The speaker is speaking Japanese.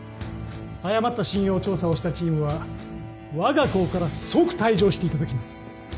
誤った信用調査をしたチームはわが校から即退場していただきます。